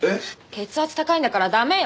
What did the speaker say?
血圧高いんだから駄目よ。